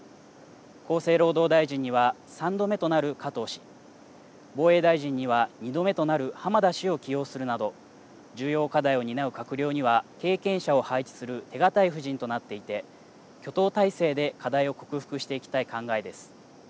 厚生労働大臣には３度目となる加藤氏、防衛大臣には２度目となる浜田氏を起用するなど重要課題を担う閣僚には経験者を配置する手堅い布陣となっていて挙党態勢で課題を克服していきたい考えです。